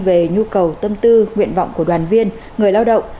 về nhu cầu tâm tư nguyện vọng của đoàn viên người lao động